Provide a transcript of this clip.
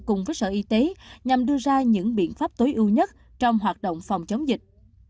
cùng với sở y tế nhằm đưa ra những biện pháp tối ưu nhất trong hoạt động phòng chống dịch